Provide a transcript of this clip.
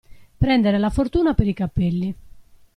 Prendere la fortuna per i capelli.